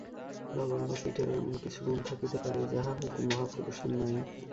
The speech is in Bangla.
নগণ্য কীটেরও এমন কিছু গুণ থাকিতে পারে, যাহা হয়তো মহাপুরুষের নাই।